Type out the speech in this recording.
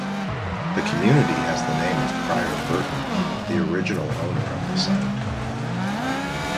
The community has the name of Prior Burton, the original owner of the site.